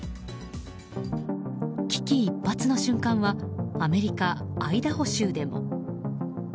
危機一髪の瞬間はアメリカ・アイダホ州でも。